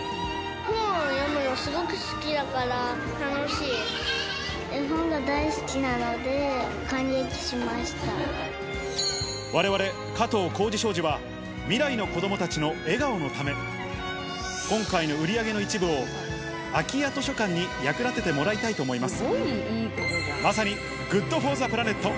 本を読むのすごく好きだから、絵本が大好きなので、感激しわれわれ、加藤浩次商事は、未来の子どもたちの笑顔のため、今回の売り上げの一部を、空き家図書館に役立ててもらいたいと思います。